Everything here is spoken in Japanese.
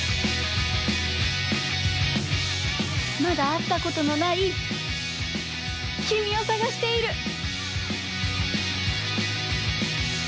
まだあったことのないきみをさがしている。